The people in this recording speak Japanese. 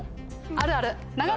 あるある。